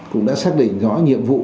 cũng đã xác định rõ nhiệm vụ